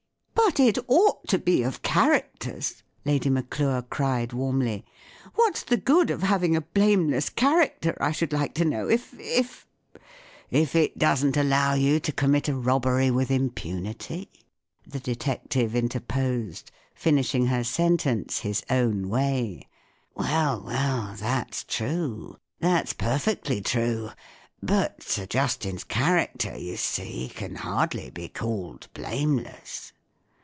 " But it ought to be of characters," Lady Maclure cried, warmly. " What's the good of having a blameless character, I should like to know, if—if "" If it doesn't allow you to commit a rob¬ bery with impunity ?" the detective inter¬ posed, finishing her sentence his own way. "Well, well, that's true. That's per fectly true—but Sir Justin's character, you see, can hardly be called blameless."